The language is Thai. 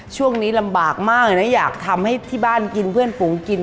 ช่วงนี้ลำบากมากเลยนะอยากทำให้ที่บ้านกินเพื่อนฝูงกิน